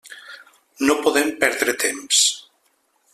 No podem perdre temps.